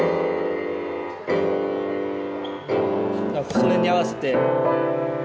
それに合わせて。